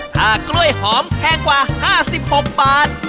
ถ้ากล้วยหอมแพงกว่า๕๖บาท